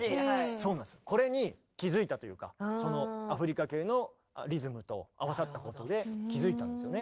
これに気付いたというかそのアフリカ系のリズムと合わさったことで気付いたんですよね。